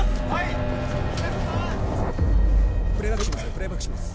プレーバックします